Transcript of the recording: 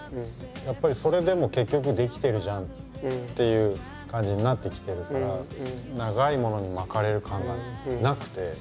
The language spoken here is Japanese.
やっぱりそれでも結局できてるじゃんっていう感じになってきてるから長いものに巻かれる感がなくて。